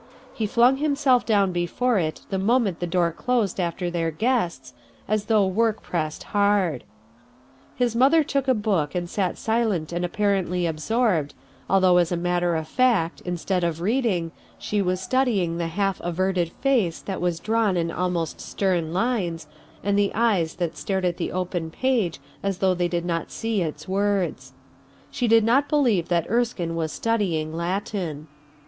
He flung himself down before it the moment the door closed after their guests, as though work pressed hard. His mother took a book and sat silent and apparently absorbed, although as a matter of CO RUTH ERSKINE'S SON fact, instead of reading, she was studying th c haJf averted face that was drawn in a] most stern lines, and the eyes that stared at the open page as though they did not see its words She did not believe that Erskine was studying Latin.